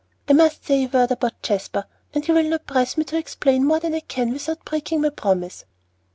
I must say a word about Jasper, and you will not press me to explain more than I can without breaking my promise."